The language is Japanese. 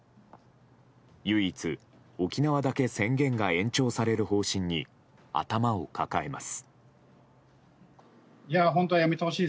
唯一、沖縄だけ宣言が延長される方針に頭を抱えます。